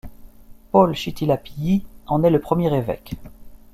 Paul Chittilapilly en est le premier évêque.